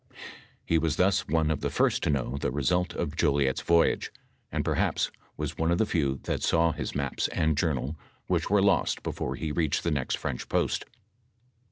He was thus one of the first to know the result of Jolliet's voyage, and, perhaps, was one of the few that saw his maps and journal which were lost before he reached the next French po&t.